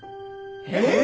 えっ？